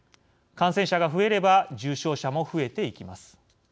感染者が増えれば重症者も増えていきます。